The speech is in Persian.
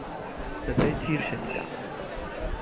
صدای تیر شنیدم.